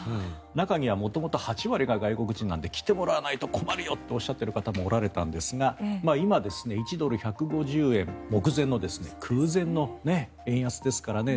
中には元々８割が外国人なので来てもらわないと困るよとおっしゃっている方もおられたんですが今、１ドル＝１５０円目前の空前の円安ですからね。